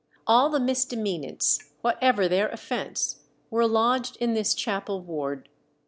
All the misdemeanants, whatever their offence, were lodged in this chapel ward.